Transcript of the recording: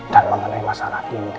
dan mengenai masalah ini